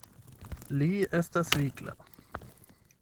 Li estas vigla.